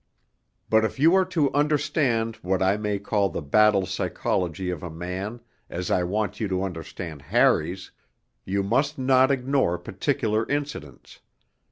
But if you are to understand what I may call the battle psychology of a man, as I want you to understand Harry's, you must not ignore particular incidents.